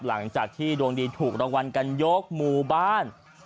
หลังจากที่ดวงดีถูกรางวัลกันยกหมู่บ้าน